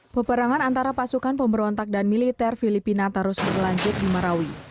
peperangan antara pasukan pemberontak dan militer filipina terus berlanjut di marawi